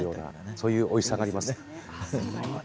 そういうおいしさがあります。